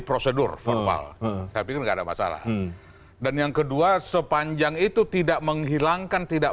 prosedur formal saya pikir enggak ada masalah dan yang kedua sepanjang itu tidak menghilangkan tidak